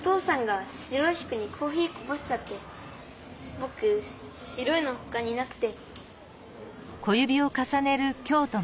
ぼく白いのほかになくて。